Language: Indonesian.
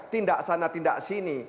tindak sana tindak sini